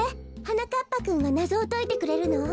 はなかっぱくんがなぞをといてくれるの？